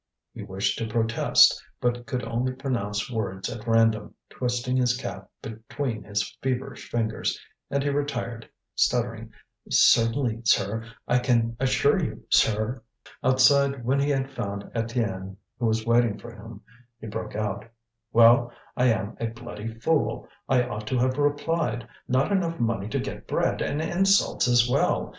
He wished to protest, but could only pronounce words at random, twisting his cap between his feverish fingers, and he retired, stuttering: "Certainly, sir I can assure you, sir " Outside, when he had found Étienne who waiting for him, he broke out: "Well, I am a bloody fool, I ought to have replied! Not enough money to get bread, and insults as well!